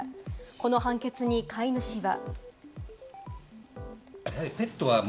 この判決に飼い主は。